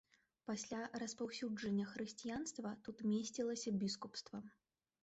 Пасля распаўсюджання хрысціянства тут месцілася біскупства.